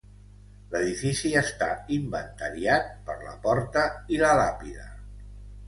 L'edifici està inventariat per la porta i la làpida.